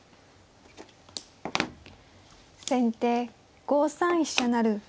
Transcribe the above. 先手５三飛車成。